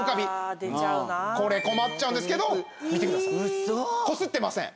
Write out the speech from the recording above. これ困っちゃうんですけど見てくださいこすってません。